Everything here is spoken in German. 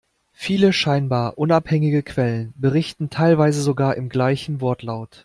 Viele scheinbar unabhängige Quellen, berichten teilweise sogar im gleichen Wortlaut.